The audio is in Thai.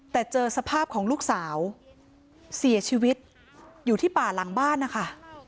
แต่เจอสภาพของลูกสาวเสียชีวิตอยู่ที่ป่าหลังบ้านนะคะ